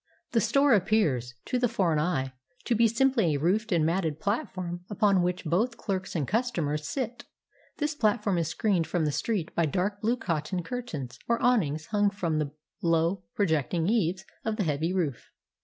The store appears, to the foreign eye, to be simply a roofed and matted platform upon which both clerks and customers sit. This platform is screened from the street by dark blue cotton curtains or awnings hung from the low pro jecting eaves of the heavy roof.